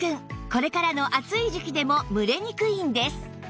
これからの暑い時期でも蒸れにくいんです